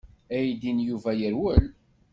Aydi n Yuba yerwel.